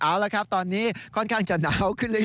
เอาละครับตอนนี้ค่อนข้างจะหนาวขึ้นเรื่อย